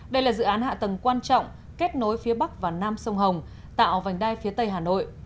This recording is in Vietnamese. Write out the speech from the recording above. đây là dự án hạ tầng quan trọng kết nối phía bắc và nam sông hồng tạo vành đai phía tây hà nội